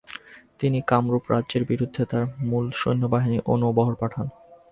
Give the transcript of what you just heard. তিনি কামরুপ রাজ্যের বিরুদ্ধে তার মূল সৈন্যবাহিনী ও নৌবহর পাঠান।